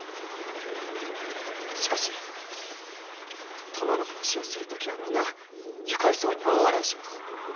しかし、殿の話をする時は皆愉快そうに大笑いします。